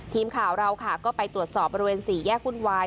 ทีมข่าวเราค่ะก็ไปตรวจสอบบริเวณ๔แยกวุ่นวาย